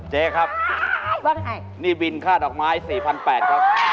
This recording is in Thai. เจ๊ครับว่าไงนี่บินฆ่าดอกไม้๔๘๐๐บาทครับ